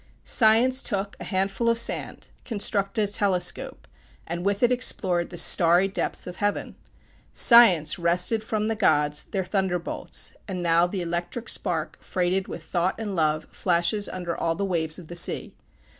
Science took a handful of sand, constructed a telescope, and with it explored the starry depths of heaven. Science wrested from the gods their thunderbolts; and now the electric spark freighted with thought and love, flashes under all the waves of the sea.